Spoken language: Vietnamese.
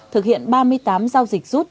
thực hiện ba mươi tám giao dịch rút